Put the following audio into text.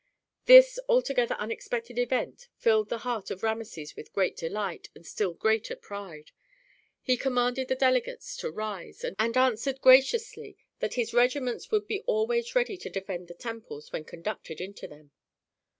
This altogether unexpected event filled the heart of Rameses with great delight and still greater pride. He commanded the delegates to rise, and answered graciously that his regiments would be always ready to defend the temples when conducted into them.